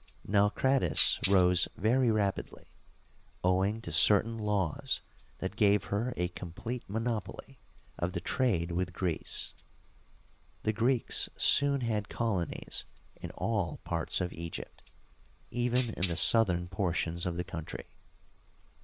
Naucratis rose very rapidly, owing to certain laws that gave her a complete monopoly of the trade with Greece. The Greeks soon had colonies in all parts of Egypt, even in the southern portions of the country.